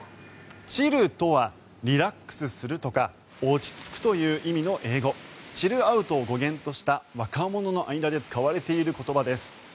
チルとはリラックスするとか落ち着くという意味の英語チルアウトを語源とした若者の間で使われている言葉です。